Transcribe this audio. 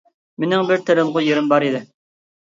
-مېنىڭ بىر تېرىلغۇ يېرىم بار ئىدى.